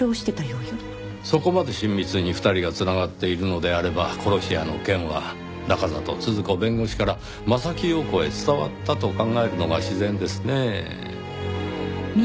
そこまで親密に２人が繋がっているのであれば殺し屋の件は中郷都々子弁護士から柾庸子へ伝わったと考えるのが自然ですねぇ。